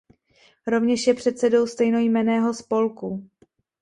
Rovněž je předsedou stejnojmenného spolku.